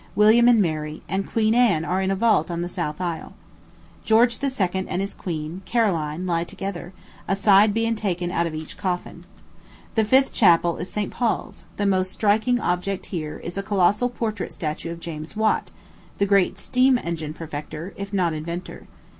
William and Mary, and Queen Anne are in a vault on the south aisle. George II. and his queen, Caroline, lie together, a side being taken out of each coffin. The fifth chapel is St. Paul's. The most striking object here is a colossal portrait statue of James Watt, the great steam engine perfecter, if not inventor.